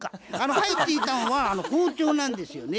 入っていたんは包丁なんですよね。